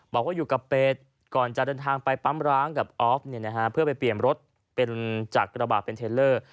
บอกว่าอยู่กับเป็ดก่อนจะเดินทางไปปั๊มร้างกับออฟเพื่อไปเปลี่ยนรถเป็นจากกระบาดเป็นเทลเลอร์